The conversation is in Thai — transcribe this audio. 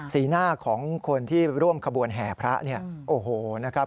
หน้าของคนที่ร่วมขบวนแห่พระเนี่ยโอ้โหนะครับ